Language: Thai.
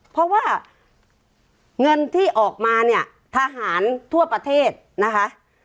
เพราะว่าเงินที่ออกมาเนี่ยทหารทั่วประเทศนะคะ